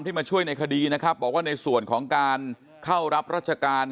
มาช่วยในคดีนะครับบอกว่าในส่วนของการเข้ารับราชการ